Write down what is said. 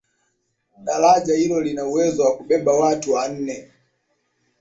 daraja hilo lina uwezo wa kubeba watu wanne